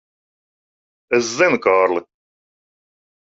Es zinu, Kārli.